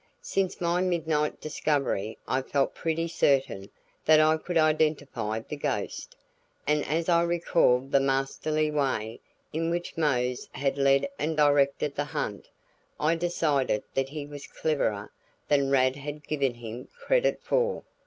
Since my midnight discovery I felt pretty certain that I could identify the ghost; and as I recalled the masterly way in which Mose had led and directed the hunt, I decided that he was cleverer than Rad had given him credit for.